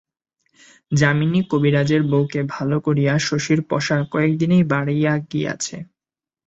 যামিনী কবিরাজের বৌকে ভালো করিয়া শশীর পসার কয়েক দিনেই বাড়িয়া গিয়াছে।